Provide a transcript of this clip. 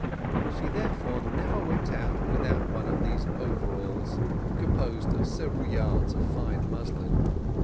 She therefore never went out without one of these overalls, composed of several yards of fine muslin.